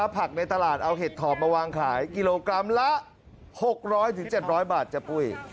ผักในตลาดเอาเห็ดถอบมาวางขายกิโลกรัมละ๖๐๐๗๐๐บาทจ้ะปุ้ย